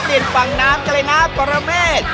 เปลี่ยนฝั่งน้ำกันเลยนะปรเมฆ